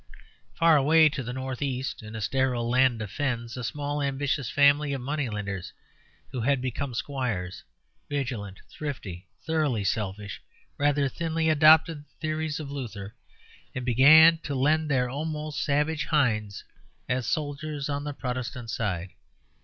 Far away to the north east, in a sterile land of fens, a small ambitious family of money lenders who had become squires, vigilant, thrifty, thoroughly selfish, rather thinly adopted the theories of Luther, and began to lend their almost savage hinds as soldiers on the Protestant side.